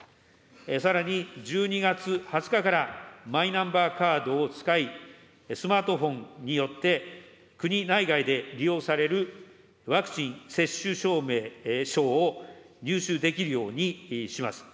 さらに、１２月２０日から、マイナンバーカードを使い、スマートフォンによって、国内外で利用されるワクチン接種証明書を入手できるようにします。